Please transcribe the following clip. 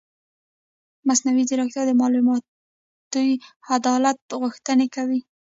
مصنوعي ځیرکتیا د معلوماتي عدالت غوښتنه کوي.